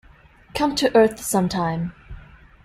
Come to Earth sometime.